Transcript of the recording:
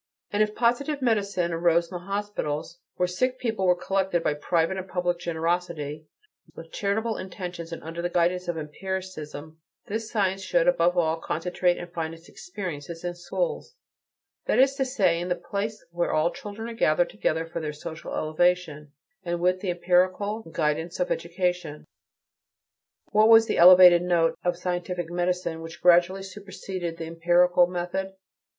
And if positive medicine arose in the hospitals, where sick people were collected by private and public generosity, with charitable intentions and under the guidance of empiricism, this science should, above all, concentrate and find its experiences in schools: that is to say, in the places where all children are gathered together for their social elevation, and with the empirical guidance of education. What was the elevated note of scientific medicine which gradually superseded the empirical method?